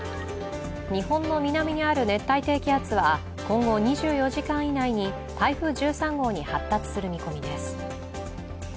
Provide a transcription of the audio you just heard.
日本の南にある熱帯低気圧は今後２４時間以内に台風１３号に発達する見込みです。